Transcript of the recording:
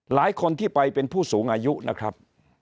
หลายคนที่ไปเป็นผู้สูงอายุนะครับ